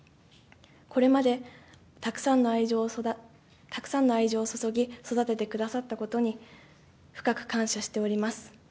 これまで、たくさんの愛情を注ぎ、育ててくださったことに深く感謝しております。